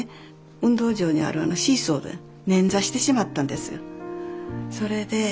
運動場にあるシーソーでねんざしてしまったんですよ。